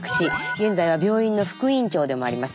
現在は病院の副院長でもあります。